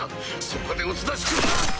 そこでおとなしく。